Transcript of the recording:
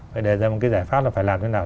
phải đề ra một cái giải pháp là phải làm thế nào